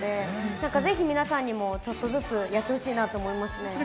なんかぜひ皆さんにも、ちょっとずつやってほしいなと思いますね。